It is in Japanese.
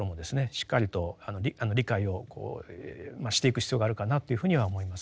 しっかりと理解をしていく必要があるかなというふうには思います。